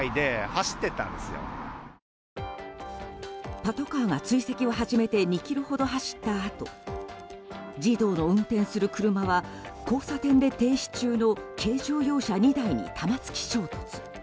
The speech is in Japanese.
パトカーが追跡を始めて２ｋｍほど走ったあと児童の運転する車は交差点で停止中の軽乗用車２台に玉突き衝突。